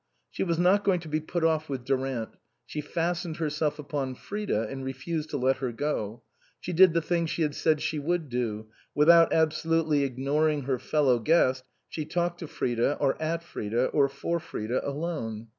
She was not going to be put off with Durant ; she fastened herself upon Frida, and refused to let her go ; she did the thing she had said she would do without abso lutely ignoring her fellow guest, she talked to Frida or at Frida or for Frida alone.